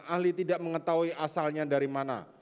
ahli tidak mengetahui asalnya dari mana